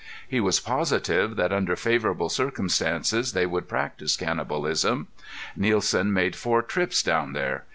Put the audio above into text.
He was positive that under favorable circumstances they would practice cannibalism. Nielsen made four trips down there.